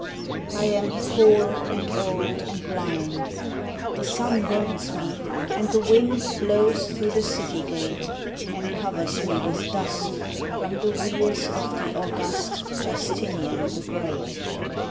] I AM poor and old and blind; The sun burns me, and the wind Blows through the city gate, And covers me with dust From the wheels of the august Justinian the Great.